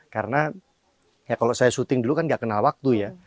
karena ya kalau saya syuting dulu kan nggak kenal waktu ya